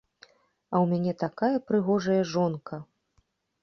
А ў мяне такая прыгожая жонка!